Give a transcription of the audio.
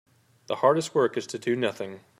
The hardest work is to do nothing.